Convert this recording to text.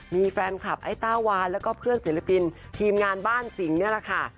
มีแฟนคลับไอ้ต้าวานแล้วก็เพื่อนศิลปินทีมงานบ้านสิงห์นี่แหละค่ะ